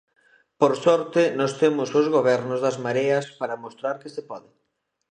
Por sorte nós temos os gobernos das mareas para mostrar que se pode.